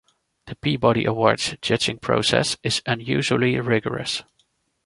The Peabody Awards judging process is unusually rigorous.